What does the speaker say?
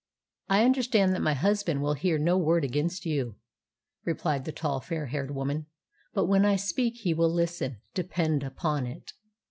"I understand that my husband will hear no word against you," replied the tall, fair haired woman. "But when I speak he will listen, depend upon it."